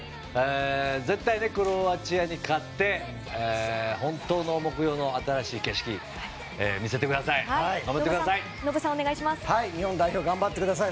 絶対クロアチアに勝って本当の目標の新しい景色見せてください！頑張ってください！